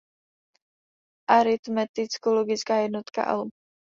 Aritmeticko-logická jednotka "alu"